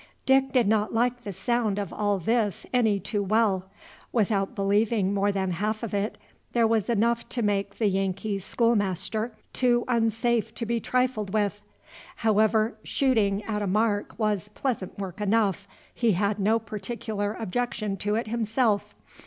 Dick did not like the sound of all this any too well. Without believing more than half of it, there was enough to make the Yankee schoolmaster too unsafe to be trifled with. However, shooting at a mark was pleasant work enough; he had no particular objection to it himself.